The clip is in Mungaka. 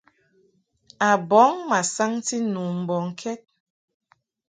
A bɔŋ ma saŋti nu mbɔŋkɛd.